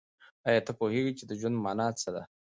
آیا ته پوهېږې چې د ژوند مانا څه ده؟